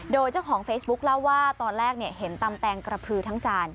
โดยเจ้าของเฟซบุ๊คเล่าว่าตอนแรกเห็นตำแตงกระพือทั้งจาน